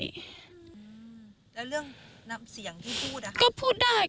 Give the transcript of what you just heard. แล้วเรื่องนำเสียงที่พูดอะคะ